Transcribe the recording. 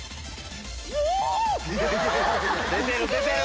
出てる出てる！